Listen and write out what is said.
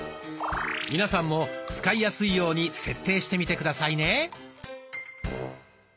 皆さんも使いやすいように設定してみて下さいね。